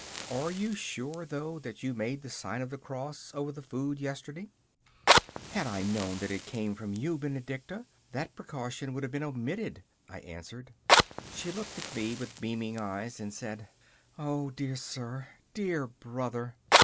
Are you sure, though, that you made the sign of the cross over the food yesterday?' 'Had I known that it came from you, Benedicta, that precaution would have been omitted,' I answered. She looked at me with beaming eyes, and said: 'Oh, dear sir, dear Brother!